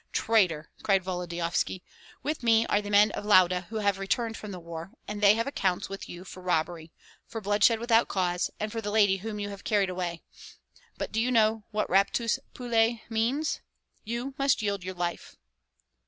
"Traitor!" cried Volodyovski. "With me are the men of Lauda who have returned from the war, and they have accounts with you for robbery, for blood shed without cause and for the lady whom you have carried away. But do you know what raptus puellæ means? You must yield your life."